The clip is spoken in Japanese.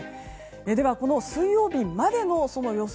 では水曜日までの予想